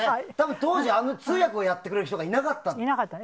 当時、通訳をやってくれる人がいなかったの。